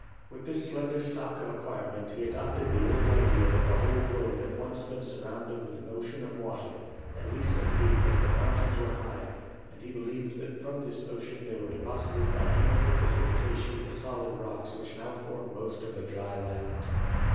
With this slender stock of ac quirement, he adopted the old idea that the whole globe had once been surrounded with an ocean of water, at least as deep as the mountains are high, and he believed that from this ocean there were deposited by chemical pre cipitation the solid rocks which now form most of the dry land.